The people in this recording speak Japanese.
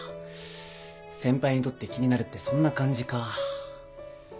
先輩にとって気になるってそんな感じか。